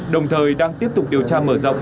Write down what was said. đồng thời đang tiếp tục điều tra mở rộng